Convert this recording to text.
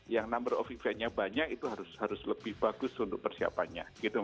yang number of event nya banyak itu harus lebih bagus untuk persiapannya